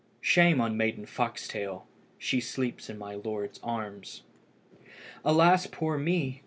Shame on Maiden Foxtail! she sleeps in my lord's arms." "Alas, poor me!"